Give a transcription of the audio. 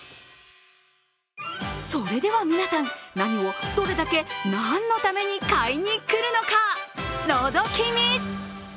それでは皆さん、何をどれだけ何のために買いに来るのか、のぞき見。